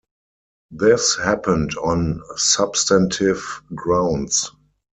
This happened on substantive grounds.